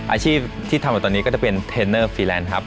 อาชีพที่ทำอยู่ตอนนี้ก็จะเป็นเทรนเนอร์ฟีแลนด์ครับ